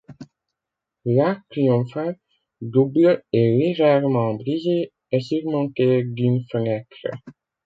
L'arc triomphal, double et légèrement brisé, est surmonté d'une fenêtre.